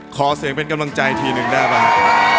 ขอเสียงเป็นกำลังใจทีหนึ่งหน้าบ้าน